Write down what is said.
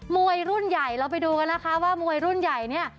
มวยรุ่นใหญ่เราไปดูกันนะคะว่ามวยรุ่นใหญ่เนี่ย